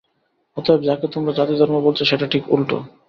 অতএব যাকে তোমরা জাতিধর্ম বলছ, সেটা ঠিক উল্টো।